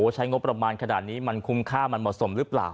ใช้งบประมาณขนาดนี้มันคุ้มค่ามันเหมาะสมหรือเปล่า